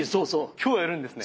今日やるんですね？